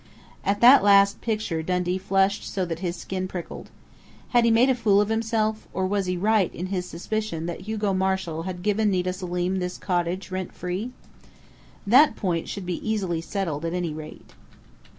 At that last picture Dundee flushed so that his skin prickled. Had he made a fool of himself, or was he right in his suspicion that Hugo Marshall had given Nita Selim this cottage rent free? That point should be easily settled, at any rate....